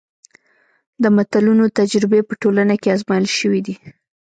د متلونو تجربې په ټولنه کې ازمایل شوي دي